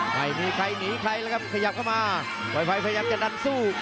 ไม่มีใครหนีใครแล้วครับขยับเข้ามาปล่อยไฟพยายามจะดันสู้